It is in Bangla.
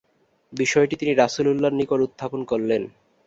বিষয়টি তিনি রাসূলুল্লাহর নিকট উত্থাপন করলেন।